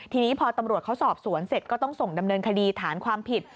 ทีนี้พอตำรวจเขาสอบสวนเสร็จก็ต้องส่งดำเนินคดีฐานความผิด